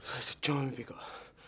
aku cuman mimpi kak